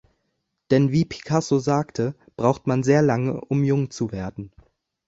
Denn wie Picasso sagte, "braucht man sehr lange, um jung zu werden".